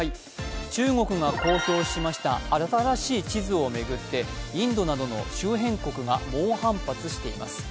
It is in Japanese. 中国が公表しました、新しい地図を巡って、インドなどの周辺国が猛反発しています。